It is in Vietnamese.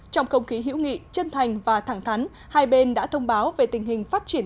trong không khí hữu nghị chân thành và thẳng thắn hai bên đã thông báo về tình hình phát triển